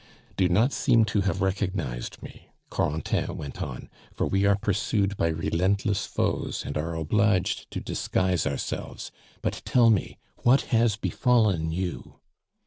"Do not seem to have recognized me," Corentin went on, "for we are pursued by relentless foes, and are obliged to disguise ourselves. But tell me what has befallen you?"